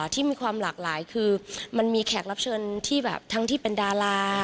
ที่มีความหลากหลายคือมันมีแขกรับเชิญที่แบบทั้งที่เป็นดารา